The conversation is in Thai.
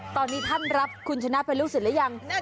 ตอนนี้ท่านรับคุณชนะเป็นลูกศิษย์หรือยัง